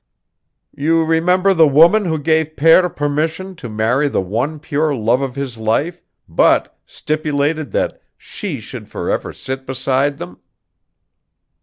"You remember the woman who gave Peer permission to marry the one pure love of his life but stipulated that she should forever sit beside them?"